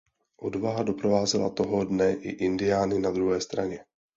Odvaha doprovázela toho dne i Indiány na druhé straně.